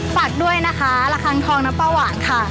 ฝากด้วยนะคะระคังทองน้ำปลาหวานค่ะ